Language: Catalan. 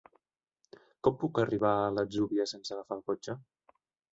Com puc arribar a l'Atzúbia sense agafar el cotxe?